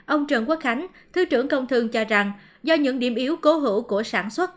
ông trần quốc khánh thứ trưởng công thương cho rằng do những điểm yếu cố hữu của sản xuất